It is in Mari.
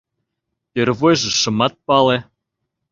Первойжо шымат пале.